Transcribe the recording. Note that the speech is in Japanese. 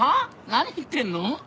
何言ってるの？